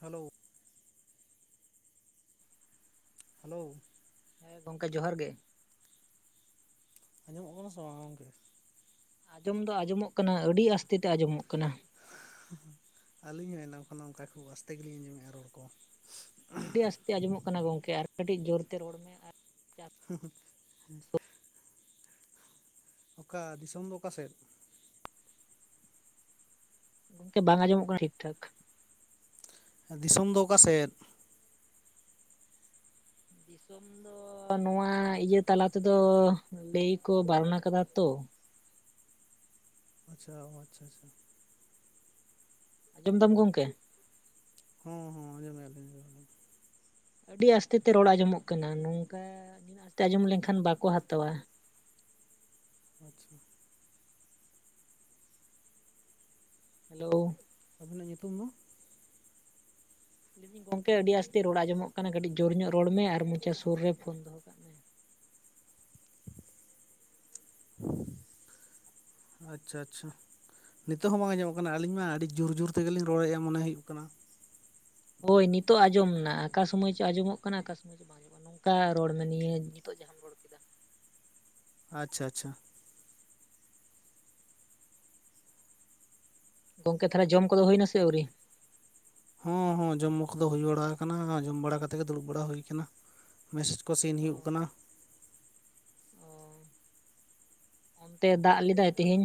Hello hello ᱦᱮᱸ ᱜᱚᱝᱠᱮ ᱡᱚᱦᱟᱨ ᱜᱮ ᱟᱸᱡᱚᱢᱚᱜ ᱠᱟᱱᱟ ᱥᱮ ᱵᱟᱝ ᱜᱚᱝᱠᱮ ᱟᱸᱡᱚᱢ ᱫᱚ ᱟᱸᱡᱚᱢᱚᱜ ᱠᱟᱱᱟ ᱟᱹᱰᱤ ᱟᱥᱛᱮ ᱛᱮ ᱟᱸᱡᱚᱢᱚᱜ ᱠᱟᱱᱟ ᱟᱹᱞᱤᱧ ᱦᱚᱸ ᱮᱱᱟᱠᱷᱟᱱ ᱚᱱᱠᱟ ᱠᱷᱩᱵ ᱟᱥᱛᱮ ᱜᱮᱞᱤᱧ ᱟᱸᱡᱚᱢᱮᱫ-ᱟ ᱨᱚᱲ ᱠᱚ᱾ ᱟᱹᱰᱤ ᱟᱥᱛᱮ ᱟᱸᱡᱚᱢᱚᱜ ᱠᱟᱱᱟ ᱜᱚᱢᱠᱮ ᱟᱨ ᱠᱟᱹᱴᱤᱡ ᱡᱳᱨᱛᱮ ᱨᱚᱲ ᱢᱮ ᱟᱨ ᱦᱩᱸ ᱦᱩᱸ ᱚᱠᱟ ᱫᱤᱥᱚᱢ ᱫᱚ ᱚᱠᱟ ᱥᱮᱫ? ᱜᱚᱢᱠᱮ ᱵᱟᱝ ᱟᱸᱡᱚᱢᱚᱜ ᱠᱟᱱᱟ ᱴᱷᱤᱠ ᱴᱷᱟᱠ ᱫᱤᱥᱚᱢ ᱫᱚ ᱚᱠᱟ ᱥᱮᱫ? ᱫᱤᱥᱚᱢ ᱫᱚ ᱱᱚᱣᱟ ᱤᱭᱟᱹ ᱛᱟᱞᱟ ᱛᱮᱫᱚ ᱞᱟᱹᱭ ᱠᱚ ᱵᱟᱨᱱᱟ ᱠᱟᱫᱟ ᱛᱚ ᱟᱪᱪᱷᱟ ᱚ ᱟᱪᱷᱟ ᱟᱪᱪᱷᱟ ᱟᱸᱡᱚᱢ ᱫᱟᱢ ᱜᱳᱝᱠᱮ ᱦᱚᱸ ᱦᱚᱸ ᱟᱸᱡᱚᱢ ᱮᱫᱟᱞᱤᱧ ᱟᱸᱡᱚᱢ ᱮᱫᱟᱞᱤᱧ ᱟᱹᱰᱤ ᱟᱥᱛᱮ ᱛᱮ ᱨᱚᱲ ᱟᱸᱡᱚᱢᱚᱜ ᱠᱟᱱᱟ ᱱᱚᱝᱠᱟ ᱱᱤᱱᱟᱹᱜ ᱟᱥᱛᱮ ᱟᱸᱡᱚᱢ ᱞᱮᱱᱠᱷᱟᱱ ᱵᱟᱠᱚ ᱦᱟᱛᱟᱣᱟ᱾ ᱟᱪᱪᱷᱟ ᱦᱮᱞᱳ ᱟᱵᱤᱱᱟᱜ ᱧᱩᱛᱩᱢ ᱫᱚ? ᱞᱟᱹᱭᱫᱟᱹᱧ ᱜᱚᱝᱠᱮ ᱟᱹᱰᱤ ᱟᱥᱛᱮ ᱨᱚᱲ ᱟᱸᱡᱚᱢᱚᱜ ᱠᱟᱱᱟ ᱠᱟᱹᱴᱤᱡ ᱡᱳᱨ ᱧᱚᱜ ᱨᱚᱲ ᱢᱮ ᱟᱨ ᱢᱚᱪᱟ ᱥᱩᱨ ᱨᱮ ᱯᱷᱳᱱ ᱫᱚᱦᱚ ᱠᱟᱜ ᱢᱮ ᱟᱪᱪᱷᱟ ᱟᱪᱪᱷᱟ ᱱᱤᱛᱚᱜ ᱦᱚᱸ ᱵᱟᱝ ᱟᱸᱡᱚᱜ ᱠᱟᱱᱟ ᱟᱹᱞᱤᱧ ᱢᱟ ᱟᱹᱰᱤ ᱡᱩᱨ ᱡᱩᱨ ᱛᱮᱜᱮ ᱞᱤᱧ ᱨᱚᱲᱮᱫ-ᱟ ᱢᱚᱱᱮ ᱦᱩᱭᱩᱜ ᱠᱟᱱᱟ ᱦᱳᱭ ᱱᱤᱛᱚᱜ ᱟᱸᱡᱚᱢ ᱱᱟ ᱚᱠᱟ ᱥᱚᱢᱚᱭ ᱪᱚ ᱟᱸᱡᱚᱢᱚᱜ ᱠᱟᱱᱟ ᱚᱠᱟ ᱥᱚᱢᱚᱭ ᱵᱟᱝ ᱟᱸᱡᱚᱢᱚᱜ ᱱᱚᱝᱠᱟ ᱨᱚᱲ ᱢᱮ ᱱᱤᱭᱟᱹ ᱱᱤᱛᱚᱜ ᱡᱟᱦᱟᱸ ᱟᱪᱪᱷᱟ ᱟᱪᱪᱷᱟ ᱜᱚᱝᱠᱮ ᱛᱟᱦᱚᱞᱮ ᱡᱚᱢ ᱠᱚᱫᱚ ᱦᱩᱭ ᱱᱟᱥᱮ ᱟᱹᱣᱨᱤ? ᱦᱚᱸ ᱦᱚᱸ ᱡᱚᱢ ᱠᱚ ᱫᱚ ᱦᱩᱭ ᱵᱟᱲᱟ ᱠᱟᱱᱟ ᱡᱚᱢ ᱵᱟᱲᱟ ᱠᱟᱛᱮᱫ ᱜᱮ ᱫᱩᱲᱩᱵ ᱵᱟᱲᱟ ᱦᱩᱭ ᱠᱟᱱᱟ ᱥᱤᱱ ᱚ ᱦᱩᱭᱩᱜ ᱠᱟᱱᱟ ᱚ ᱚᱱᱛᱮ ᱫᱟᱜ ᱞᱮᱫᱟᱭ ᱛᱤᱦᱤᱧ?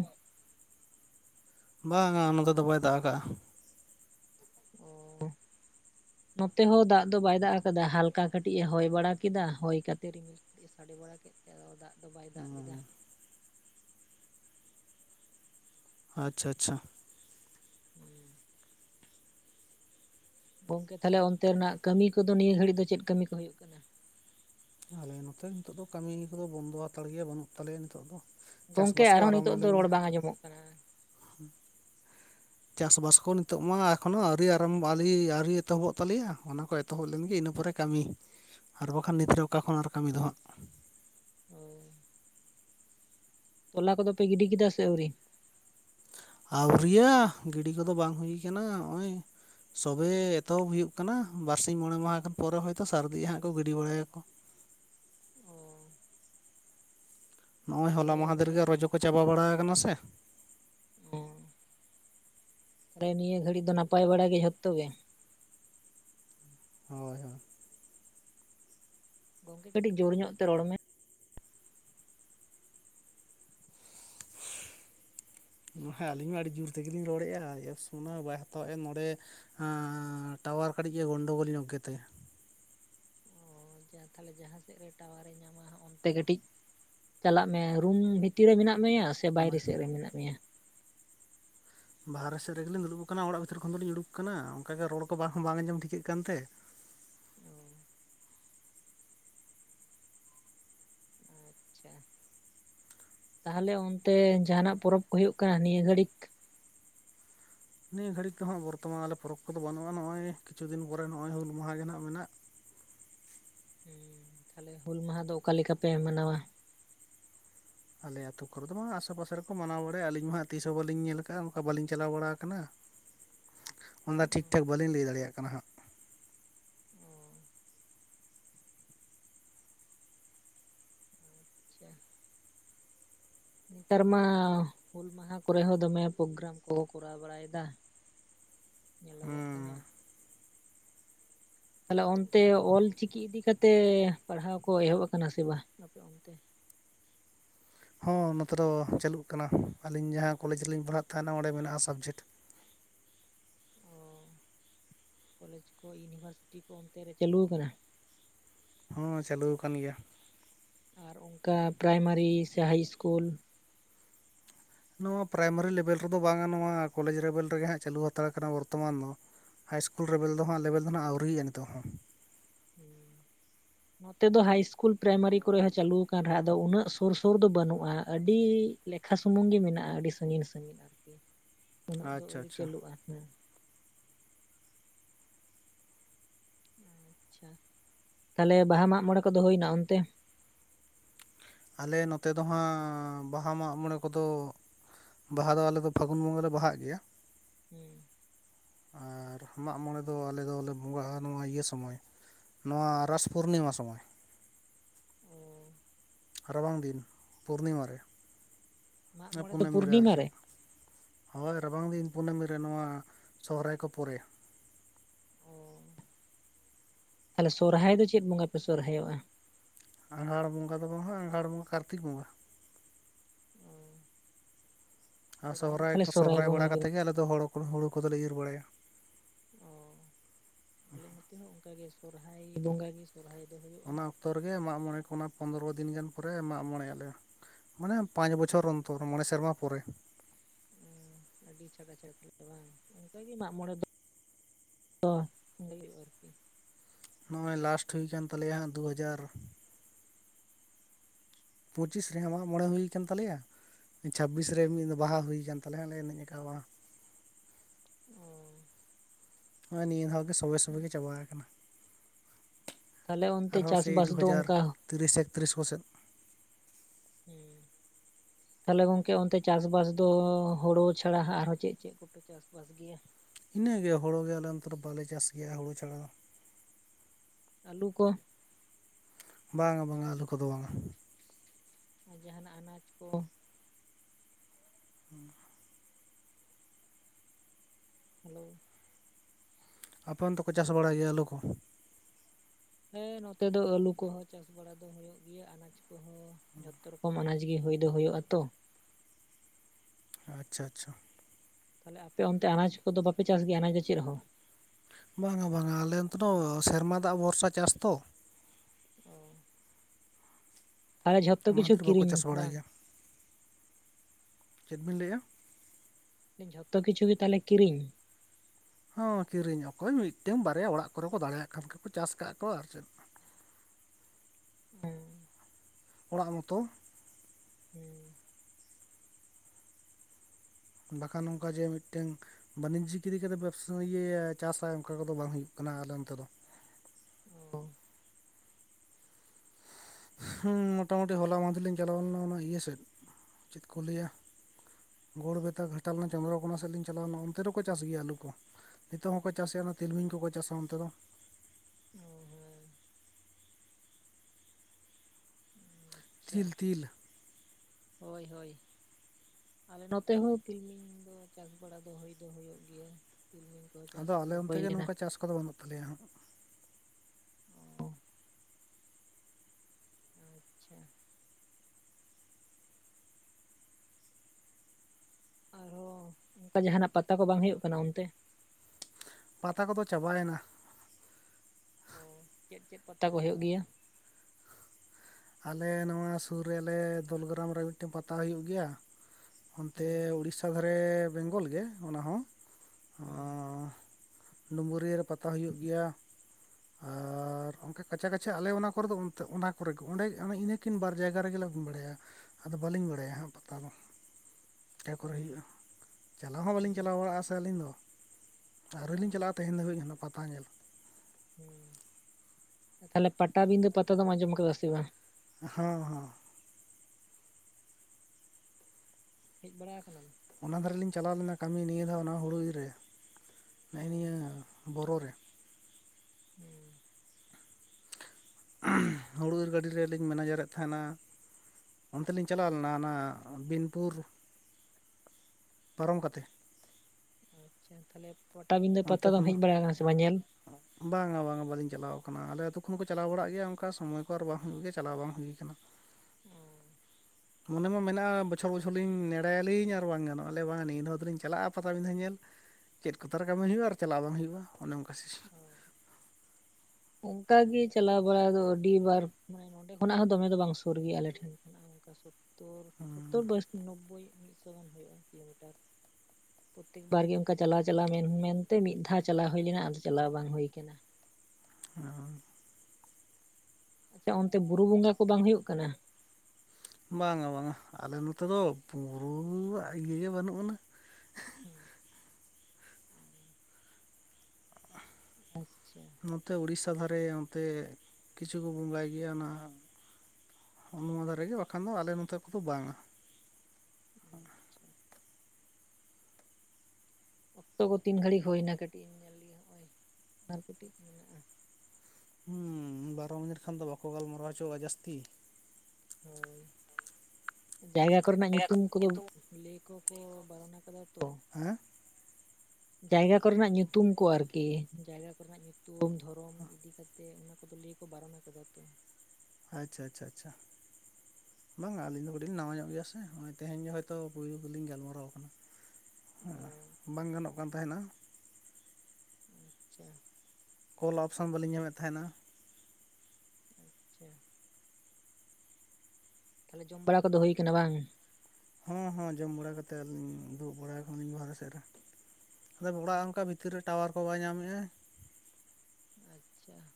ᱵᱟᱝ ᱟ ᱱᱚᱛᱮ ᱫᱚ ᱵᱟᱭ ᱫᱟᱜ ᱟᱠᱟᱜ-ᱟ᱾ ᱚᱻ᱾ ᱱᱚᱛᱮ ᱦᱚᱸ ᱫᱟᱜ ᱫᱚ ᱵᱟᱭ ᱫᱟᱜ ᱠᱟᱫᱟ ᱦᱟᱞᱠᱟ ᱠᱟᱹᱴᱤᱡ ᱮ ᱦᱚᱭ ᱵᱟᱲᱟ ᱠᱮᱫᱟ ᱦᱚᱭ ᱠᱟᱛᱮᱜ ᱨᱤᱢᱤᱞ ᱮ ᱥᱟᱰᱮ ᱵᱟᱲᱟ ᱠᱮᱫ ᱛᱮ ᱟᱫᱚ ᱫᱟᱜ ᱫᱚ ᱵᱟᱭ ᱫᱟᱜ ᱞᱮᱫᱟ᱾ ᱟᱪᱪᱷᱟ ᱟᱪᱷᱟ᱾ ᱦᱩᱸ᱾ [inaudible] ᱜᱚᱝᱠᱮ ᱛᱟᱦᱚᱞᱮ ᱚᱱᱛᱮ ᱨᱮᱱᱟᱜ ᱠᱟᱹᱢᱤ ᱠᱚᱫᱚ ᱱᱤᱭᱟᱹ ᱜᱷᱟᱹᱲᱤᱡ ᱫᱚ ᱪᱮᱫ ᱠᱟᱹᱢᱤ ᱠᱚ ᱦᱩᱭᱩᱜ ᱠᱟᱱᱟ? ᱟᱞᱮ ᱱᱚᱛᱮ ᱱᱤᱛᱚᱜ ᱫᱚ ᱠᱟᱹᱢᱤ ᱠᱚᱫᱚ ᱵᱚᱱᱫᱚ ᱦᱟᱛᱟᱲ ᱜᱮᱭᱟ ᱵᱟᱱᱩᱜ ᱛᱟᱞᱮᱭᱟ ᱱᱤᱛᱚᱜ ᱫᱚ᱾ ᱜᱚᱝᱠᱮ ᱪᱟᱥᱼᱵᱟᱥ ᱠᱚ ᱟᱨᱦᱚᱸ ᱟᱨᱟᱢᱵᱚ ᱱᱤᱛᱚᱜ ᱫᱚ ᱞᱮᱱ ᱜᱮ᱾ ᱨᱚᱲ ᱵᱟᱝ ᱟᱸᱡᱚᱢᱚᱜ ᱠᱟᱱᱟ᱾ ᱦᱩᱸ᱾ ᱪᱟᱥᱼᱵᱟᱥ ᱠᱚ ᱱᱤᱛᱚᱜ ᱢᱟ ᱮᱠᱷᱚᱱᱳ ᱟᱣᱹᱨᱤ ᱟᱨᱟᱢᱵᱚ ᱟᱞᱤ ᱟᱣᱹᱨᱤ ᱮᱛᱚᱦᱚᱵᱚᱜ ᱛᱟᱞᱮᱭᱟ ᱚᱱᱟ ᱠᱷᱚᱡᱼᱼ ᱮᱛᱚᱦᱚᱵ ᱞᱮᱱ ᱜᱮ ᱤᱱᱟᱹ ᱯᱚᱨᱮ ᱠᱟᱢᱤ ᱟᱨ ᱵᱟᱠᱷᱟᱱ ᱱᱤᱛ ᱨᱮ ᱚᱠᱟ ᱠᱷᱚᱱ ᱟᱨ ᱠᱟᱢᱤ ᱫᱚ ᱦᱟᱸᱜᱼᱼ ᱚᱸᱭ᱾ ᱛᱚᱞᱟ ᱠᱚᱫᱚ ᱯᱮ ᱜᱤᱰᱤ ᱠᱮᱫᱟ ᱥᱮ ᱟᱹᱣᱨᱤ? ᱟᱹᱣᱨᱤ ᱭᱟ ᱜᱤᱰᱤ ᱠᱚᱫᱚ ᱵᱟᱝ ᱦᱩᱭ ᱠᱟᱱᱟ ᱦᱚᱜ-ᱚᱭᱼᱼ ᱥᱚᱵᱮ ᱮᱛᱚᱦᱚᱵ ᱦᱩᱭᱩᱜ ᱠᱟᱱᱟ ᱵᱟᱨ ᱥᱤᱧ ᱢᱚᱬᱮ ᱢᱟᱦᱟᱸ ᱠᱟᱱ ᱯᱚᱨᱮ ᱦᱚᱭᱛᱚ ᱥᱟᱨᱫᱤᱜᱼᱟ ᱦᱟᱸᱜ ᱠᱚ ᱜᱤᱰᱤ ᱵᱟᱲᱟᱭᱟ ᱠᱚ᱾ ᱚ ᱱᱚᱜ-ᱚᱭ ᱦᱚᱞᱟ ᱛᱟᱦᱚᱞᱮ ᱢᱟᱦᱟᱸᱫᱮᱨ ᱱᱤᱭᱟᱹ ᱜᱮ ᱨᱚᱡᱚ ᱠᱚ ᱪᱟᱵᱟ ᱵᱟᱲᱟᱣ ᱠᱟᱱᱟ ᱥᱮᱼᱼ ᱚ ᱛᱟᱦᱚᱞᱮ ᱱᱤᱭᱟᱹ ᱜᱷᱟᱹᱲᱤᱡ ᱫᱚ ᱱᱟᱯᱟᱭ ᱵᱟᱲᱟ ᱜᱮ ᱡᱷᱚᱛᱚ ᱜᱮ? ᱦᱚᱭ ᱦᱚᱭ᱾ ᱜᱚᱝᱠᱮ ᱠᱟᱹᱴᱤᱡ ᱡᱳᱨ ᱧᱚᱜ ᱛᱮ ᱨᱚᱲ ᱢᱮ᱾ [inaudible] ᱵᱟᱠᱷᱟᱡ ᱟᱹᱞᱤᱧ ᱢᱟ ᱟᱹᱰᱤ ᱡᱩᱨ ᱛᱮᱜᱮ ᱞᱤᱧ ᱨᱚᱲᱮᱜ-ᱟ, ᱮ ᱥᱩᱱᱟ ᱵᱟᱭ ᱦᱟᱛᱟᱣᱮᱜ-ᱟ ᱱᱚᱸᱰᱮ᱾ ᱟᱸᱻ ᱴᱟᱣᱟᱨ ᱠᱟᱹᱴᱤᱡ ᱜᱮ ᱜᱚᱱᱰᱚᱜᱳᱞ ᱧᱚᱜ ᱠᱮᱜ ᱛᱟᱭᱟ᱾ ᱪᱟ ᱛᱟᱦᱚᱞᱮ ᱡᱟᱦᱟᱸ ᱥᱮᱜ ᱨᱮ ᱴᱟᱣᱟᱨᱼᱼ ᱛᱮ ᱠᱟᱹᱴᱤᱡ ᱪᱟᱞᱟᱜ ᱢᱮ ᱨᱩᱢ ᱵᱷᱤᱛᱤᱨ ᱨᱮ ᱢᱮᱱᱟᱜ ᱢᱮᱭᱟ, ᱥᱮ ᱵᱟᱭᱨᱮ ᱥᱮᱜ ᱨᱮ ᱢᱮᱱᱟᱜ ᱢᱮᱭᱟ? ᱵᱟᱦᱨᱮ ᱥᱮᱫ ᱨᱮᱜᱮ ᱞᱤᱧ ᱫᱩᱲᱩᱵ ᱠᱟᱱᱟ ᱚᱲᱟᱜ ᱵᱷᱤᱛᱤᱨ ᱠᱷᱚᱱ ᱫᱚᱞᱤᱧ ᱩᱰᱩᱠ ᱠᱟᱱᱟ ᱚᱱᱠᱟ ᱜᱮ ᱨᱚᱲ ᱠᱚ ᱵᱟᱝ ᱦᱚᱸ ᱵᱟᱝ ᱟᱸᱡᱚᱢ ᱴᱷᱤᱠᱟᱹᱜ ᱠᱟᱱ ᱛᱮ᱾ ᱪᱷᱟ ᱛᱟᱦᱚᱞᱮ ᱚᱱᱛᱮ ᱡᱟᱦᱟᱸᱱᱟᱜ ᱯᱚᱨᱚᱵ ᱠᱚ ᱦᱩᱭᱩᱜ ᱠᱟᱱᱟ ᱱᱤᱭᱟᱹ ᱜᱷᱟᱹᱲᱤᱠ? ᱱᱤᱭᱟᱹ ᱜᱷᱟᱹᱲᱤᱡ ᱛᱮ ᱦᱚᱸ ᱵᱚᱨᱛᱚᱢᱟᱱ ᱟᱞᱮ ᱯᱚᱨᱚᱵᱽ ᱠᱚᱫᱚ ᱵᱟᱱᱩᱜ-ᱟ, ᱱᱚᱜ-ᱚᱭ ᱠᱤᱪᱷᱩ ᱫᱤᱱ ᱯᱚᱨᱮ ᱱᱚᱜ-ᱚᱭ ᱦᱩᱞ ᱢᱟᱦᱟᱸ ᱜᱮ ᱱᱟᱦᱟᱸᱜ ᱢᱮᱱᱟᱜ᱾ ᱛᱟᱦᱚᱞᱮ ᱦᱩᱞ ᱢᱟᱦᱟᱸ ᱫᱚ ᱚᱠᱟ ᱞᱮᱠᱟ ᱯᱮ ᱢᱟᱱᱟᱣᱟ? ᱟᱞᱮ ᱟᱛᱩ ᱠᱚᱨᱮ ᱫᱚ ᱵᱟᱝᱟ ᱟᱥᱮ ᱯᱟᱥᱮ ᱨᱮᱠᱚ ᱢᱟᱱᱟᱣ ᱵᱟᱲᱟᱭᱟ ᱟᱹᱞᱤᱧ ᱢᱟ ᱦᱟᱸᱜ ᱛᱤᱥᱸᱦᱚᱸ ᱵᱟᱹᱞᱤᱧ ᱧᱮᱞ ᱟᱠᱟᱜ-ᱟ, ᱚᱱᱠᱟ ᱵᱟᱹᱞᱤᱧ ᱪᱟᱞᱟᱣ ᱵᱟᱲᱟ ᱟᱠᱟᱱᱟ᱾ ᱚᱱᱟ ᱫᱚ ᱴᱷᱤᱠᱼᱴᱷᱟᱠ ᱵᱟᱹᱞᱤᱧ ᱞᱟᱹᱭ ᱫᱟᱲᱮᱭᱟᱜ ᱠᱟᱱᱟ ᱦᱟᱸᱜ᱾ [inaudible] ᱱᱮᱛᱟᱨ ᱢᱟ ᱦᱩᱞ ᱢᱟᱦᱟᱸ ᱠᱚᱨᱮ ᱦᱚᱸ ᱫᱚᱢᱮ ᱯᱨᱳᱜᱽᱨᱟᱢ ᱠᱚ ᱠᱚ ᱠᱚᱨᱟᱣ ᱵᱟᱲᱟᱭᱮᱫᱟ᱾ ᱧᱮᱞᱚᱜᱚᱜ ᱠᱟᱱᱟ᱾ ᱛᱟᱦᱚᱞᱮ ᱚᱱᱛᱮ ᱚᱞ ᱪᱤᱠᱤ ᱤᱫᱤ ᱠᱟᱛᱮᱜ ᱯᱟᱲᱦᱟᱣ ᱠᱚ ᱮᱦᱚᱵ ᱟᱠᱟᱱᱟ ᱥᱮ ᱵᱟᱝ ᱟᱯᱮ ᱚᱱᱛᱮ? ᱦᱚᱸ ᱱᱚᱛᱮ ᱫᱚ ᱪᱟᱹᱞᱩᱜ ᱠᱟᱱᱟ, ᱟᱞᱤᱧ ᱡᱟᱦᱟᱸ ᱠᱚᱞᱮᱡᱽ ᱨᱤᱞᱤᱧ ᱯᱟᱲᱦᱟᱜ ᱛᱟᱦᱮᱱᱟ ᱚᱸᱰᱮ ᱢᱮᱱᱟᱜ-ᱟ ᱥᱟᱵᱽᱡᱮᱠᱴ᱾ ᱚ ᱠᱚᱞᱮᱡ ᱠᱚ ᱤᱭᱩᱱᱤᱵᱷᱟᱨᱥᱤᱴᱤ ᱠᱚ ᱚᱱᱛᱮ ᱨᱮ ᱪᱟᱹᱞᱩᱣ ᱠᱟᱱᱟ? ᱦᱚᱸ ᱪᱟᱹᱞᱩ ᱠᱟᱱ ᱜᱮᱭᱟ᱾ ᱟᱨ ᱚᱱᱠᱟ ᱯᱨᱟᱭᱢᱟᱨᱤ ᱥᱮ ᱦᱟᱭ ᱤᱥᱠᱩᱞᱼᱼ ᱱᱚᱣᱟ ᱯᱨᱟᱭᱢᱟᱢᱨᱤ ᱞᱮᱵᱮᱞ ᱨᱮᱫᱚ ᱵᱟᱝᱟ, ᱱᱚᱣᱟ ᱠᱚᱞᱮᱡᱽ ᱞᱮᱵᱮᱞ ᱨᱮᱜᱮ ᱦᱟᱸᱜ ᱪᱟᱹᱞᱩ ᱦᱟᱛᱟᱲ ᱠᱟᱱᱟ ᱵᱚᱨᱛᱚᱢᱟᱱ ᱫᱚ᱾ ᱦᱟᱭ ᱤᱥᱠᱩᱞ ᱨᱮᱵᱮᱞ ᱫᱚ ᱦᱟᱸᱜ ᱞᱮᱵᱮᱞ ᱫᱚ ᱱᱟᱦᱟᱸᱜ ᱟᱹᱣᱨᱤᱭᱟᱜᱼᱟ ᱱᱤᱛᱚᱜ ᱦᱚᱸ᱾ ᱦᱩᱸ, ᱱᱚᱛᱼᱼ ᱛᱮ ᱫᱚ ᱦᱟᱭ ᱤᱥᱠᱩᱞ ᱯᱨᱟᱭᱢᱟᱨᱤ ᱠᱚᱨᱮ ᱦᱚᱸ ᱪᱟᱹᱞᱩ ᱟᱠᱟᱱ ᱨᱮᱦᱚᱸ ᱟᱫᱚ ᱩᱱᱟᱹᱜ ᱥᱩᱨ ᱥᱩᱨ ᱫᱚ ᱵᱟᱹᱱᱩᱜ-ᱟ ᱟᱹᱰᱤᱼᱼ ᱞᱮᱠᱷᱟ ᱥᱩᱢᱩᱝ ᱜᱮ ᱢᱮᱱᱟᱜ ᱟᱹᱰᱤ ᱥᱟᱜᱤᱧ ᱥᱟᱜᱤᱧ ᱟᱨᱠᱤ, ᱩᱱᱟᱹᱜ ᱫᱚ ᱟᱪᱪᱷᱟ ᱟᱹᱣᱨᱤ ᱟᱪᱪᱷᱟ ᱪᱟᱞᱩᱜᱼᱟ᱾ ᱟᱪᱪᱷᱟ ᱛᱟᱦᱚᱞᱮ ᱵᱟᱦᱟ ᱢᱟᱜ ᱢᱚᱬᱮ ᱠᱚᱫᱚ ᱦᱩᱭ ᱱᱟ ᱚᱱᱛᱮ? ᱟᱞᱮ ᱱᱚᱛᱮ ᱫᱚ ᱦᱟᱸᱜ ᱵᱟᱦᱟ ᱢᱟᱜ ᱢᱚᱬᱮ ᱠᱚᱫᱚᱼᱼ ᱵᱟᱦᱟ ᱫᱚ ᱟᱞᱮ ᱫᱚ ᱯᱷᱟᱹᱜᱩᱱ ᱵᱚᱸᱜᱟ ᱞᱮ ᱵᱟᱦᱟᱜ ᱜᱮᱭᱟ᱾ ᱦᱩᱸ᱾ ᱟᱨ ᱢᱟᱜᱢᱚᱬᱮ ᱫᱚ ᱟᱞᱮ ᱫᱚᱞᱮ ᱵᱚᱸᱜᱟᱜᱼᱟ ᱱᱚᱣᱟ ᱤᱭᱟᱹ ᱥᱚᱢᱚᱭ ᱱᱚᱣᱟ ᱨᱟᱥ ᱯᱩᱨᱱᱤᱢᱟ ᱥᱚᱢᱚᱭ᱾ ᱚ ᱨᱟᱵᱟᱝ ᱫᱤᱱ ᱯᱩᱨᱱᱤᱢᱟ ᱨᱮ᱾ ᱢᱟᱜ ᱢᱚᱬᱮ ᱫᱚ ᱠᱩᱱᱟᱹᱢᱤ ᱟᱨ ᱯᱩᱨᱱᱤᱢᱟ ᱨᱮ᱾ ᱪᱮᱫ ᱦᱳᱭ ᱨᱟᱵᱟᱝ ᱫᱤᱱ ᱠᱩᱱᱟᱹᱢᱤ ᱨᱮ ᱱᱚᱣᱟ ᱥᱚᱦᱨᱟᱭ ᱠᱚ ᱯᱚᱨᱮ᱾ ᱚ ᱛᱟᱦᱚᱞᱮ ᱥᱚᱨᱦᱟᱭ ᱫᱚ ᱪᱮᱫ ᱵᱚᱸᱜᱟ ᱯᱮ ᱥᱚᱨᱦᱟᱭᱚᱜᱼᱟ? ᱟᱸᱜᱷᱟᱲ ᱵᱚᱸᱜᱟ ᱫᱚ ᱵᱟᱝᱟ ᱟᱸᱜᱷᱟᱲ ᱵᱚᱸᱜᱟ ᱠᱟᱨᱛᱤᱠ ᱵᱚᱸᱜᱟ᱾ ᱟᱨ ᱥᱚᱨᱦᱟᱭ ᱫᱚ ᱥᱚᱦᱨᱟᱭ ᱛᱟᱦᱚᱞᱮ ᱠᱚ ᱥᱚᱨᱦᱟᱭ ᱥᱚᱦᱨᱟᱭ ᱵᱚᱸᱜᱟ ᱵᱟᱲᱟ ᱠᱟᱛᱮᱫ ᱜᱮ ᱟᱞᱮᱫᱚ ᱦᱚᱲᱚ ᱦᱩᱲᱩ ᱠᱚᱫᱚᱞᱮ ᱤᱨ ᱵᱟᱲᱟᱭᱟ᱾ ᱚ ᱟᱞᱮ ᱱᱚᱛᱮ ᱦᱚᱸ ᱚᱱᱠᱟᱜᱮ ᱥᱚᱨᱦᱟᱭ ᱵᱚᱸᱜᱟ ᱜᱮ ᱥᱚᱨᱦᱟᱭ ᱫᱚ ᱦᱩᱭᱩᱜᱼᱟ᱾ ᱵᱚᱛᱚᱨ ᱜᱮ ᱢᱟᱜ ᱢᱚᱬᱮ ᱠᱷᱚᱱᱟᱜ ᱯᱚᱱᱫᱨᱚ ᱫᱤᱱ ᱜᱟᱱ ᱯᱚᱨᱮ ᱢᱟᱜ ᱢᱬᱮᱭᱟᱞᱮ᱾ ᱢᱟᱱᱮ ᱯᱟᱸᱪ ᱵᱚᱪᱷᱚᱨ ᱚᱱᱛᱚᱨ ᱢᱚᱬᱮ ᱥᱮᱨᱢᱟ ᱯᱚᱨᱮ᱾ ᱚᱸ ᱟᱹᱰᱤ ᱪᱷᱟᱠᱟ ᱪᱷᱟ ᱵᱟᱝ ᱚᱱᱛᱮ ᱜᱮ ᱢᱟᱜᱢᱚᱬᱮ ᱫᱚ᱾ ᱛᱚ [unintelligible] ᱱᱚᱜ-ᱚᱭ ᱞᱟᱥᱴ ᱦᱩᱭᱠᱟᱱ ᱛᱟᱞᱮᱭᱟ ᱫᱩ ᱦᱟᱡᱟᱨ ᱯᱩᱪᱤᱥ ᱨᱮᱦᱚᱸ ᱢᱟᱜ ᱢᱚᱬᱮ ᱦᱩᱭ ᱠᱟᱱ ᱛᱟᱞᱮᱭᱟ᱾ ᱪᱷᱟᱵᱵᱤᱥ ᱨᱮ ᱢᱤᱫ ᱧᱤᱫᱟᱹ ᱵᱟᱦᱟ ᱦᱩᱭ ᱟᱠᱟᱱ ᱛᱟᱞᱮᱭᱟ ᱟᱞᱮ ᱮᱱᱮᱡ ᱟᱠᱟᱣᱟ ᱵᱟᱦᱟ᱾ [unintelligible] ᱱᱚ-ᱚᱭ ᱱᱤᱭᱟᱹ ᱫᱷᱟᱣ ᱜᱮ ᱥᱚᱵᱮ ᱥᱚᱵᱮ ᱜᱮ ᱪᱟᱵᱟ ᱟᱠᱟᱱᱟ᱾ ᱛᱟᱦᱞᱮ ᱚᱱᱛᱮ ᱟᱨᱦᱚᱸ ᱪᱟᱥ ᱥᱮᱭ ᱵᱟᱥ ᱫᱩ ᱫᱚ ᱦᱟᱡᱟᱨ ᱚᱝᱠᱟ ᱛᱤᱨᱤᱥ ᱮᱠᱛᱨᱤᱥ ᱠᱚᱥᱮᱫ [inaudible] ᱛᱟᱦᱞᱮ ᱜᱚᱝᱠᱮ ᱚᱱᱛᱮ ᱪᱟᱥ ᱵᱟᱥ ᱫᱚ ᱦᱳᱲᱳ ᱪᱷᱟᱲᱟ ᱟᱨᱦᱚᱸ ᱪᱮᱫ ᱪᱮᱫ ᱠᱚᱯᱮ ᱪᱟᱥ ᱵᱟᱥ ᱜᱮᱭᱟ? ᱤᱱᱟᱹᱜᱮ ᱦᱳᱲᱳ ᱜᱮ ᱟᱞᱮ ᱚᱱᱛᱮ ᱨᱮ ᱵᱟᱞᱮ ᱪᱟᱥ ᱜᱮᱭᱟ ᱦᱳᱲᱳ ᱪᱷᱟᱲᱟ ᱟᱹᱞᱩ ᱠᱚ ᱵᱟᱝ ᱟ ᱵᱟᱝ ᱟ ᱟᱞᱩ ᱠᱚᱫᱚ ᱵᱟᱝ ᱟ᱾ ᱟᱨ ᱡᱟᱦᱟᱱᱟᱜ ᱟᱱᱟᱡ ᱠᱚ᱾ ᱦᱮᱸ ᱦᱮᱞᱳ᱾ ᱟᱯᱮ ᱚᱱᱛᱮ ᱠᱚ ᱪᱟᱥ ᱵᱟᱲᱟᱭ ᱜᱮᱭᱟ ᱟᱞᱩ ᱠᱚ? ᱦᱮᱸ ᱱᱚᱛᱮ ᱫᱚ ᱟᱹᱞᱩ ᱠᱚᱦᱚᱸ ᱪᱟᱥ ᱵᱟᱲᱟ ᱫᱚ ᱦᱩᱭᱩᱜ ᱜᱮᱭᱟ ᱟᱱᱟᱡ ᱠᱚᱦᱚᱸ ᱡᱷᱚᱛᱚ ᱨᱚᱠᱚᱢ ᱟᱱᱟᱡ ᱢᱚᱡᱽ ᱜᱮ ᱦᱩᱭ ᱫᱚ ᱦᱩᱭᱩᱜ-ᱟ᱾ ᱛᱚ ᱟᱪᱪᱷᱟ ᱟᱪᱪᱷᱟ᱾ ᱛᱟᱦᱚᱞᱮ ᱟᱯᱮ ᱚᱱᱛᱮ ᱟᱱᱟᱡ ᱠᱚᱫᱚ ᱵᱟᱯᱮ ᱪᱟᱥ ᱜᱮᱭᱟ ᱟᱱᱟᱡ ᱫᱚ ᱪᱮᱫ ᱦᱚᱸ ᱵᱟᱝᱟ ᱵᱟᱝᱟ ᱟᱞᱮ ᱱᱛᱱᱛᱮ ᱫᱚ ᱥᱮᱨᱢᱟ ᱫᱟᱜ ᱵᱷᱚᱨᱥᱟ ᱪᱟᱥ ᱛᱚ᱾ ᱚ ᱛᱟᱦᱚᱞᱮ ᱡᱷᱚᱛᱚ ᱚᱱᱟ ᱠᱤᱪᱷᱩ ᱠᱷᱟᱹᱛᱤᱨ ᱵᱟᱠᱚ ᱠᱤᱨᱤᱧ ᱪᱟᱥ ᱵᱟᱲᱟᱭ ᱵᱟᱝ ᱜᱮᱭᱟ᱾ ᱪᱮᱫ ᱵᱤᱱ ᱞᱟᱹᱭᱮᱜᱼᱟ? ᱡᱷᱚᱛᱚ ᱠᱤᱪᱷᱩ ᱜᱮ ᱛᱟᱦᱞᱮ ᱠᱤᱨᱤᱧ? ᱦᱚᱸ ᱠᱤᱨᱤᱧ, ᱚᱠᱚᱭ ᱢᱤᱫᱴᱮᱱ- ᱵᱟᱨᱭᱟ ᱚᱲᱟᱜ ᱠᱚᱨᱮ ᱠᱚ ᱫᱟᱲᱮᱭᱟᱜ ᱠᱷᱟᱱ ᱠᱚ ᱪᱟᱥ ᱟᱠᱟᱫ ᱠᱚ ᱟᱨ ᱪᱮᱫ? ᱦᱮᱸ ᱚᱲᱟᱜ ᱢᱚᱛᱚ ᱦᱩᱸ᱾ ᱵᱟᱝᱠᱷᱟᱱ ᱱᱚᱝᱠᱟ ᱡᱮ ᱢᱤᱫᱴᱟᱝ ᱵᱟᱸᱱᱤᱡᱽᱡᱦᱤᱠᱤᱨᱤ ᱠᱟᱹᱨᱮ ᱵᱮᱵᱽᱥᱟ ᱤᱭᱟᱹᱭ ᱪᱟᱥᱟᱭ, ᱚᱱᱠᱟ ᱠᱚᱫᱚ ᱵᱟᱝ ᱦᱩᱭᱩᱜ ᱠᱟᱱᱟ ᱟᱞᱮ ᱚᱱᱛᱮ ᱫᱚ᱾ ᱚ ᱦᱩᱸ ᱢᱚᱴᱟᱢᱩᱴᱤ ᱦᱚᱞᱟ ᱢᱟᱸᱫᱷᱮᱨ ᱞᱤᱧ ᱪᱟᱞᱟᱣ ᱞᱮᱱᱟ, ᱚᱱᱟ ᱤᱭᱟᱹ ᱥᱮᱫ ᱪᱮᱫ ᱠᱚ ᱞᱟᱹᱭᱼᱟ ᱜᱚᱲᱵᱮᱛᱟ, ᱜᱷᱟᱴᱟᱞ ᱚᱱᱟ ᱪᱚᱱᱫᱨᱚᱠᱚᱱᱟ ᱥᱮᱫ ᱞᱤᱧ ᱪᱟᱞᱟᱣᱞᱮᱱᱟ, ᱚᱱᱛᱮ ᱨᱮᱠᱚ ᱪᱟᱥ ᱜᱮᱭᱟ ᱟᱞᱩ ᱠᱚ᱾ ᱱᱤᱛᱚᱜ ᱦᱚᱸᱠᱚ ᱪᱟᱥᱮᱜᱼᱟ, ᱚᱱᱟ ᱛᱤᱞᱢᱤᱧ ᱠᱚᱠᱚ ᱪᱟᱥᱟ ᱚᱱᱛᱮ ᱫᱚ ᱚ ᱦᱮᱸ ᱛᱤᱞ ᱟᱪᱪᱷᱟ, ᱛᱤᱞ ᱦᱳᱭ ᱦᱳᱭ, ᱟᱞᱮ ᱱᱚᱛᱮ ᱦᱚᱸ ᱛᱤᱞᱢᱤᱧ ᱫᱚ ᱪᱟᱥ ᱵᱟᱲᱟ ᱫᱚ ᱦᱳᱭ ᱫᱚ ᱦᱳᱭᱳᱜ ᱜᱤᱭᱟ ᱛᱤᱞᱢᱤᱧᱼᱼ ᱟᱫᱚ ᱟᱞᱮ ᱚᱱᱛᱮ ᱜᱮ ᱱᱚᱝᱠᱟ ᱪᱟᱥ ᱠᱚᱫᱚ ᱵᱟᱹᱱᱩᱜ ᱛᱟᱞᱮᱭᱟ ᱦᱟᱸᱜ᱾ ᱚ ᱟᱪᱪᱷᱟ᱾ ᱟᱨᱦᱚᱸ ᱚᱱᱠᱟ ᱡᱟᱸᱦᱟᱱᱟᱜ ᱯᱟᱛᱟ ᱠᱚ ᱵᱟᱝ ᱦᱳᱭᱳᱜ ᱠᱟᱱᱟ ᱚᱱᱛᱮ? ᱯᱟᱛᱟ ᱠᱚᱫᱚ ᱪᱟᱵᱟᱭᱮᱱᱟ᱾ ᱚ ᱪᱮᱫ ᱪᱮᱫ ᱯᱟᱛᱟ ᱠᱚ ᱦᱳᱭᱳᱜ ᱜᱮᱭᱟ? ᱟᱞᱮ ᱱᱚᱣᱟ ᱥᱩᱨ ᱨᱮ ᱟᱞᱮ ᱫᱚᱞᱜᱨᱟᱢ ᱨᱮ ᱢᱤᱫᱴᱮᱱ ᱯᱟᱛᱟ ᱦᱳᱭᱩᱜ ᱜᱮᱭᱟ। ᱚᱱᱛᱮ ᱦᱩᱸ ᱩᱲᱤᱥᱥᱟ ᱫᱷᱟᱨᱮ ᱵᱮᱝᱜᱚᱞ ᱜᱮ ᱚᱱᱟ ᱦᱚᱸ। ᱦᱩᱸ ᱚᱸ ᱰᱩᱢᱵᱩᱨᱤᱭᱟᱹ ᱨᱮ ᱯᱟᱛᱟ ᱦᱩᱭᱩᱜ ᱜᱮᱭᱟ। ᱟᱨ ᱚᱱᱠᱟ ᱠᱟᱪᱷᱟ ᱠᱟᱪᱷᱟ ᱟᱞᱮ ᱚᱱᱟ ᱠᱚᱨᱮ ᱫᱚ ᱚᱱᱛᱮ ᱚᱱᱟ ᱠᱚᱨᱮ᱾ ᱚᱸᱰᱮ ᱤᱱᱟᱹ ᱤᱱᱟᱹᱠᱤᱱ ᱵᱟᱨ ᱡᱟᱭᱜᱟ ᱨᱮᱜᱮᱞᱮ ᱵᱟᱲᱟᱭᱟ ᱟᱫᱚ ᱵᱟᱹᱞᱤᱧ ᱵᱟᱲᱟᱭᱟ ᱦᱟᱸᱜ ᱯᱟᱛᱟ ᱫᱚ᱾ ᱴᱮ ᱚ ᱠᱚᱨᱮ ᱦᱩᱭᱩᱜᱼᱟ, ᱪᱟᱞᱟᱣ ᱦᱚᱸ ᱵᱟᱹᱞᱤᱧ ᱦᱩᱸ ᱪᱟᱞᱟᱣ ᱵᱟᱲᱟᱜᱼᱟ ᱥᱮ ᱟᱹᱞᱤᱧ ᱫᱚ᱾ ᱟᱣᱨᱤᱞᱤᱧ ᱟᱨ ᱪᱟᱞᱟᱜᱼᱟ ᱛᱮᱦᱮᱧ ᱫᱷᱟᱹᱵᱤᱡ ᱦᱟᱱᱟ ᱯᱟᱛᱟ ᱧᱮᱞ᱾ ᱦᱮᱸ ᱛᱟᱦᱞᱮ ᱯᱟᱴᱟᱵᱤᱸᱫᱟᱹ ᱯᱟᱛᱟ ᱫᱚᱢ ᱟᱸᱡᱚᱢ ᱠᱟᱫᱟ ᱥᱮ ᱵᱟᱝ? ᱦᱚᱸ ᱦᱚᱸ। ᱦᱮᱡ ᱵᱟᱲᱟ ᱠᱟᱱᱟᱢ? ᱚᱱᱟ ᱫᱷᱟᱨᱮ ᱞᱤᱧ ᱪᱟᱞᱟᱣ ᱞᱤᱱᱟ ᱠᱟᱹᱢᱤ ᱱᱤᱭᱟᱹ ᱫᱷᱟᱣ ᱚᱱᱟ ᱦᱳᱲᱳ ᱤᱨ ᱨᱮ ᱱᱮᱜᱼ ᱚ ᱱᱤᱭᱟᱹ ᱵᱚᱨᱚ ᱨᱮ ᱦᱩᱸ ᱦᱩᱲᱩ ᱤᱨ ᱜᱟᱹᱰᱤ ᱨᱮᱞᱤᱧ ᱢᱮᱱᱟᱡᱟᱨ ᱮᱫ ᱛᱟᱦᱮᱱᱟ᱾ ᱚᱱᱛᱮ ᱞᱤᱧ ᱪᱟᱞᱟᱣ ᱞᱮᱱᱟ ᱚᱱᱟ ᱵᱤᱱᱯᱩᱨ ᱯᱟᱨᱚᱢ ᱠᱟᱛᱮ ᱟᱪᱪᱷᱟ ᱛᱟᱞᱦᱮ ᱯᱚᱴᱟᱵᱤᱸᱫᱟᱹ ᱯᱟᱛᱟ ᱫᱚᱢ ᱦᱮᱡᱽ ᱵᱟᱲᱟ ᱟᱠᱟᱱᱟ ᱥᱮ ᱵᱟᱝ ᱧᱮᱞ᱾ ᱚ ᱵᱟᱝᱼᱟ ᱵᱟᱝᱼᱟ ᱵᱟᱹᱞᱤᱧ ᱪᱟᱞᱟᱣ ᱠᱟᱱᱟ ᱟᱞᱮ ᱟᱹᱛᱩ ᱠᱷᱚᱱ ᱦᱚᱸᱠᱚ ᱪᱟᱞᱟᱣ ᱵᱟᱲᱟᱜ ᱜᱮᱭᱟ ᱚᱱᱠᱟ ᱥᱚᱢᱚᱭ ᱠᱚ ᱟᱨ ᱵᱟᱝ ᱦᱩᱭᱩᱜ ᱜᱮᱭᱟ ᱪᱟᱞᱟᱣ ᱵᱟᱝ ᱦᱩᱭ ᱠᱟᱱᱟ᱾ [inaudible] [inaudible] ᱢᱚᱱᱮ ᱢᱟ ᱢᱮᱱᱟᱜᱼᱟ ᱵᱚᱪᱷᱚᱨ ᱵᱚᱪᱷᱚᱨ ᱞᱤᱧ ᱱᱮᱲᱟᱭᱟᱞᱤᱧ ᱟᱨ ᱵᱟᱝ ᱜᱟᱱᱚᱜᱼᱟ ᱞᱮ ᱵᱟᱝ ᱤᱱᱟᱹ ᱫᱷᱟᱣ ᱫᱚᱞᱤᱧ ᱪᱟᱞᱟᱜᱼᱟ ᱯᱟᱴᱟᱵᱤᱫᱷᱟᱹ ᱧᱮᱞ ᱪᱮᱫ ᱠᱚ ᱛᱟᱨ ᱠᱟᱹᱢᱤ ᱦᱩᱭᱳᱜᱼᱟ ᱟᱨ ᱪᱟᱞᱟᱣ ᱵᱟᱝ ᱦᱳᱭᱩᱜᱼᱟ ᱚᱱᱮ ᱚᱱᱠᱟ ᱥᱤᱥ ᱚᱝᱠᱟᱜᱤ ᱪᱟᱞᱟᱣ ᱵᱟᱲᱟ ᱫᱚ ᱟᱹᱰᱤ ᱵᱟᱨ ᱢᱟᱱ ᱱᱚᱸᱰᱮ ᱠᱷᱚᱱᱟᱜ ᱦᱚᱸ ᱫᱚᱢᱮ ᱫᱚ ᱵᱟᱝ ᱥᱩᱨ ᱜᱤᱭᱟ ᱟᱞᱮ ᱴᱷᱮᱱ ᱠᱷᱚᱱᱟᱜ ᱚᱱᱠᱟ ᱥᱳᱛᱳᱨ ᱥᱳᱛᱳᱨ ᱵᱟᱹᱥ ᱱᱳᱵᱳᱭ ᱢᱤᱫ ᱥᱚ ᱜᱟᱱ ᱦᱳᱭᱩᱜᱼᱟ ᱠᱤᱞᱳᱢᱤᱴᱟᱨ᱾ ᱯᱨᱚᱛᱮᱠ ᱵᱟᱨ ᱜᱮ ᱚᱱᱠᱟ ᱪᱟᱞᱟᱣ ᱪᱟᱞᱟᱣ ᱢᱮᱱ ᱢᱮᱱᱛᱮ ᱢᱤᱫ ᱫᱷᱟᱣ ᱪᱟᱞᱟᱣ ᱦᱳᱭ ᱞᱮᱱᱟ ᱟᱫᱚ ᱪᱟᱞᱟᱣ ᱵᱟᱝ ᱦᱳᱭ ᱠᱟᱱᱟ᱾ [unintelligible] ᱟᱪᱪᱷᱟ ᱚᱱᱛᱮ ᱵᱩᱨᱩ ᱵᱚᱸᱜᱟ ᱠᱚ ᱵᱟᱝ ᱦᱳᱭᱩᱜ ᱠᱟᱱᱟ? ᱵᱟᱝᱟ ᱵᱟᱝᱟ ᱟᱞᱮ ᱱᱚᱛᱮ ᱫᱚ ᱵᱩᱨᱩ ᱤᱭᱟᱹ ᱜᱮ ᱵᱟᱹᱱᱩᱜ ᱟᱱᱟ᱾ ᱦᱩᱸ ᱟᱪᱪᱷᱟ ᱱᱚᱛᱮ ᱩᱲᱤᱥᱥᱟ ᱫᱷᱟᱨᱮ ᱚᱱᱛᱮ ᱠᱤᱪᱷᱩ ᱠᱚ ᱵᱚᱸᱜᱟᱭ ᱜᱤᱭᱟ ᱚᱱᱟ ᱱᱚᱜ ᱱᱚᱣᱟ ᱫᱷᱟᱨᱮ ᱜᱮ ᱵᱟᱠᱷᱟᱱ ᱫᱚ ᱟᱞᱮ ᱱᱚᱛᱮ ᱠᱚᱫᱚ ᱵᱟᱝᱼᱟ᱾ ᱟᱪᱪᱷᱟ ᱚᱠᱛᱚ ᱠᱚ ᱛᱤᱱ ᱜᱷᱟᱹᱲᱤᱠ ᱦᱩᱭᱱᱟ ᱠᱟᱹᱴᱤᱡᱽ ᱤᱧ ᱧᱮᱞ ᱞᱮ ᱱᱚᱜᱼᱚᱭ ᱟᱨ ᱠᱟᱹᱴᱤᱡᱽ ᱢᱮᱱᱟᱜᱼᱟ᱾ ᱦᱩᱸ ᱵᱟᱨᱚ ᱢᱤᱱᱤᱴ ᱠᱷᱟᱱ ᱫᱚ ᱵᱟᱠᱚ ᱜᱟᱞᱢᱟᱨᱟᱣ ᱦᱚᱪᱚᱣᱟᱜᱼᱟ ᱡᱟᱹᱥᱛᱤ ᱦᱳᱭ ᱡᱟᱭᱜᱟ ᱠᱚᱨᱮᱱᱟᱜ ᱦᱮᱸ ᱧᱩᱛᱩᱢ ᱠᱚᱫᱚ ᱞᱮᱭ ᱠᱚᱠᱚ ᱵᱟᱨᱚᱱ ᱠᱟᱫᱟ ᱛᱚ ᱡᱟᱭᱜᱟ ᱠᱚᱨᱮᱱᱟᱜ ᱧᱩᱛᱩᱢ ᱠᱚ ᱟᱨᱠᱤ ᱡᱟᱭᱜᱟ ᱠᱚᱨᱮᱱᱟᱜ ᱧᱩ ᱛᱩ ᱫᱷᱚᱨᱚᱢ ᱤᱫᱤ ᱠᱟᱛᱮ ᱚᱱᱟ ᱠᱚᱫᱚ ᱞᱮᱭ ᱠᱚ ᱵᱟᱨᱚᱱ ᱠᱟᱫᱟ ᱛᱚ ᱟᱪᱪᱷᱟ ᱟᱪᱪᱷᱟ ᱟᱪᱪᱷᱟ ᱵᱟᱝᱼᱟ ᱟᱹᱞᱤᱧ ᱫᱚ ᱠᱟᱹᱴᱤᱡᱽ ᱞᱤᱧ ᱱᱟᱣᱟ ᱧᱚᱜ ᱜᱮᱭᱟ ᱥᱮ ᱦᱚᱜᱼᱚᱭ ᱛᱮᱦᱮᱧ ᱜᱮ ᱦᱚᱭᱛᱳ ᱯᱳᱭᱞᱳ ᱞᱤᱧ ᱜᱟᱞᱢᱟᱨᱟᱣ ᱠᱟᱱᱟ᱾ ᱦᱮᱸ ᱚ ᱵᱟᱝ ᱜᱟᱱᱚᱜ ᱠᱟᱱ ᱛᱟᱦᱮᱱᱟ᱾ ᱟᱪᱪᱷᱟ ᱠᱚᱞ ᱚᱯᱥᱚᱱ ᱵᱟᱹᱞᱤᱧ ᱧᱟᱢᱮᱫ ᱛᱟᱸᱦᱮᱱᱟ᱾ ᱟᱪᱪᱷᱟ ᱛᱟᱦᱚᱞᱮ ᱡᱚᱢ ᱵᱟᱲᱟ ᱠᱚᱫᱚ ᱦᱩᱭ ᱠᱟᱱᱟ ᱵᱟᱝ? ᱦᱚᱸ ᱦᱚᱸ ᱡᱚᱢ ᱵᱟᱲᱟ ᱠᱟᱛᱮᱫ ᱟᱹᱞᱤᱧ ᱫᱩᱲᱩᱵ ᱵᱟᱲᱟ ᱠᱷᱚᱱᱞᱤᱧ ᱵᱟᱦᱟ ᱥᱮᱫᱨᱮ᱾ ᱟᱫᱚ ᱚᱲᱟᱜ ᱚᱱᱠᱟ ᱵᱷᱤᱛᱤᱨ ᱨᱮ ᱴᱟᱣᱟᱨ ᱠᱚ ᱵᱟᱭ ᱧᱟᱢᱮᱼᱟᱭ᱾ ᱟᱪᱪᱷᱟ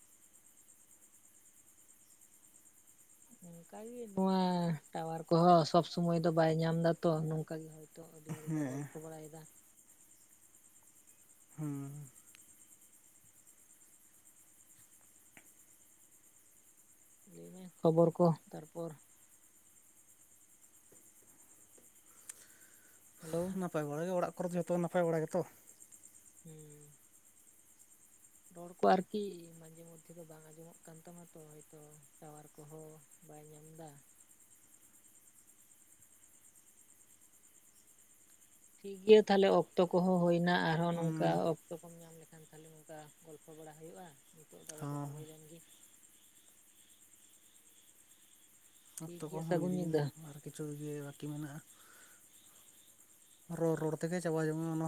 ᱚᱱᱠᱟᱜᱮ ᱱᱚᱣᱟ ᱴᱟᱣᱟᱨ ᱠᱚᱦᱚᱸ ᱥᱚᱵᱽ ᱥᱚᱢᱚᱭ ᱫᱚ ᱵᱟᱭ ᱧᱟᱢ ᱫᱟᱛᱚ ᱱᱚᱝᱠᱟ ᱜᱮ ᱦᱚᱭ ᱱᱤᱛᱚᱜ ᱟᱹᱰᱤ ᱦᱚᱲ ᱜᱮᱠᱚ ᱦᱮᱸ ᱜᱚᱞᱯᱷᱚ ᱵᱟᱲᱟᱭᱮᱫᱟ᱾ ᱦᱩᱸ ᱞᱟᱹᱭᱢᱮ ᱠᱷᱚᱵᱚᱨ ᱠᱚ ᱛᱟᱨᱯᱚᱨ ᱦᱮᱞᱳ ᱱᱟᱯᱟᱭ ᱵᱟᱲᱟ ᱜᱮ ᱚᱲᱟᱜ ᱠᱚᱨᱮ ᱫᱚ ᱡᱚᱛᱚ ᱱᱟᱯᱟᱭ ᱵᱟᱲᱟᱜ ᱜᱮᱛᱚ? ᱦᱩᱸ ᱨᱚᱲ ᱠᱚ ᱟᱨᱠᱤ ᱢᱟᱡᱷᱮ ᱢᱚᱫᱽᱫᱷᱮ ᱫᱚ ᱵᱟᱝ ᱟᱸᱡᱚᱢᱚᱜ ᱠᱟᱱ ᱛᱟᱢᱟ ᱛᱚ ᱦᱚᱭᱛᱚ ᱴᱟᱣᱟᱨ ᱠᱚᱦᱚᱸ ᱵᱟᱭ ᱧᱟᱢ ᱫᱟ᱾ ᱴᱷᱤᱠ ᱜᱮᱭᱟ ᱛᱟᱞᱦᱮ ᱚᱠᱛᱚ ᱠᱚᱦᱚᱸ ᱦᱩᱭᱱᱟ ᱟᱨᱦᱚᱸ ᱱᱚᱝᱠᱟ ᱦᱮᱸ ᱚᱠ ᱚᱠᱛᱚ ᱠᱚᱢ ᱧᱟᱢ ᱞᱮᱠᱷᱟᱱ ᱛᱟᱦᱚᱞᱮ ᱱᱚᱝᱠᱟ ᱜᱚᱞᱯᱷᱚ ᱵᱟᱲᱟ ᱦᱩᱭᱩᱜᱼᱟ ᱱᱤᱛᱚᱜ ᱫᱚ ᱫᱚᱦᱚ ᱦᱚᱸ ᱦᱩᱭ ᱞᱮᱱ ᱜᱮ᱾ ᱴᱷᱤᱠ ᱚᱠᱛᱚ ᱜᱮᱭᱟ ᱠᱚᱸᱦᱚᱸ ᱦᱩᱭ ᱥᱟᱹᱜᱩᱱ ᱤᱫᱤᱭᱮᱱᱟ ᱧᱤᱫᱟᱹ ᱟᱨ ᱠᱤᱪᱷᱩ-ᱠᱤᱪᱷᱩ ᱜᱮ ᱟᱨᱠᱤ ᱢᱮᱱᱟᱜᱼᱟ ᱨᱚᱲ- ᱨᱚᱲ ᱛᱮᱜᱮ ᱪᱟᱵᱟ ᱡᱚᱝᱼᱟ ᱚᱱᱟ